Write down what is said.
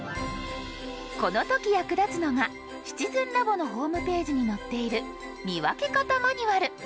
この時役立つのが「シチズンラボ」のホームページに載っている「見分け方マニュアル」。